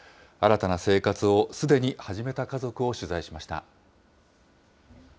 新たな生活をすでに始めた家族を取材しました。